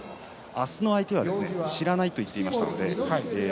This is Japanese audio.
明日の相手は知らないと言っていました。